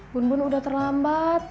bun bun udah terlambat